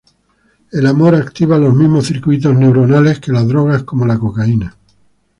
El amor activa los mismos circuitos neuronales que las drogas como la cocaína.